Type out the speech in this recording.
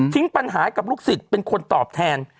ปัญหากับลูกศิษย์เป็นคนตอบแทน